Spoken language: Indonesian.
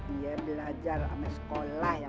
dia belajar sama sekolah ya